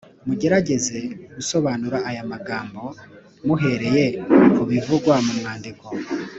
mugerageze gusobanura aya magambo muhereye ku bivugwa mu mwandiko.